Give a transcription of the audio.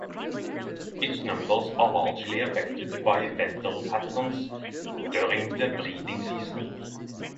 Its numbers are largely affected by weather patterns during the breeding season.